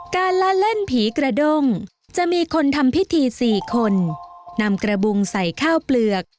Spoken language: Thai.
ละเล่นผีกระด้งจะมีคนทำพิธีสี่คนนำกระบุงใส่ข้าวเปลือก